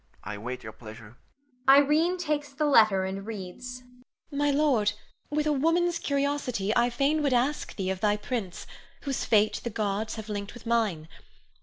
I await your pleasure. Irene [takes the letter and reads]. My lord, with a woman's curiosity, I fain would ask thee of thy prince, whose fate the gods have linked with mine.